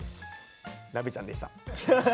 鍋ちゃんでした。